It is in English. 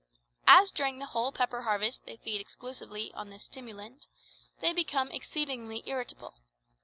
As during the whole pepper harvest they feed exclusively on this stimulant, they become exceedingly irritable.